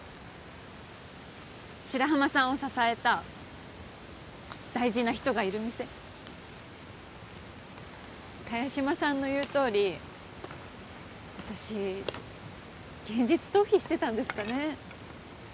白浜さんを支えた大事な人がいる店萱島さんの言うとおり私現実逃避してたんですかね